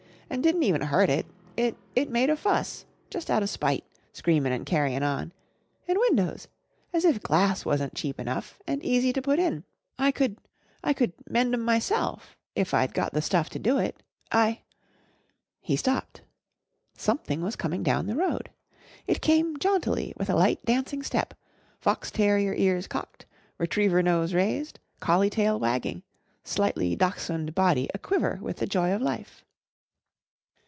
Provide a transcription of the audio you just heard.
and didn't even hurt it. It it made a fuss jus' out of spite, screamin' and carryin' on! And windows! as if glass wasn't cheap enough and easy to put in. I could I could mend 'em myself if I'd got the stuff to do it. I " He stopped. Something was coming down the road. It came jauntily with a light, dancing step, fox terrier ears cocked, retriever nose raised, collie tail wagging, slightly dachshund body a quiver with the joy of life.